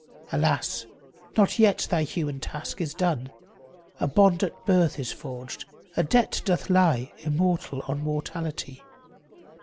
Alas, not yet thy human task is done! A bond at birth is forged; a debt doth lie Immortal on mortality.